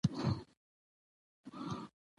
بلکي ستاسو خپل کور،